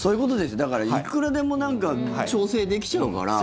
だから、いくらでもなんか調整できちゃうから。